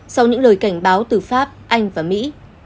sau những lời cảnh báo từ pháp anh và mỹ